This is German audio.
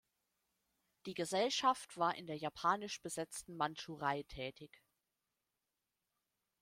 Die Gesellschaft war in der japanisch besetzten Mandschurei tätig.